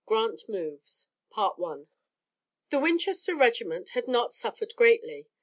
GRANT MOVES The Winchester regiment had not suffered greatly.